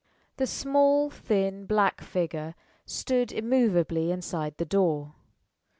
The small, thin, black figure stood immovably inside the door.